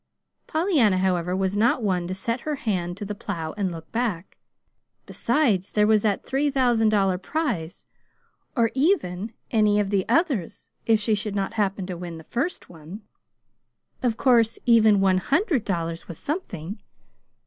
Pollyanna, however, was not one to set her hand to the plow and look back. Besides, there was that three thousand dollar prize, or even any of the others, if she should not happen to win the first one! Of course even one hundred dollars was something!